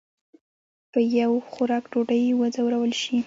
په یو خوراک ډوډۍ وځورول شي.